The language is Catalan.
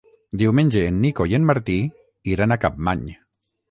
Diumenge en Nico i en Martí iran a Capmany.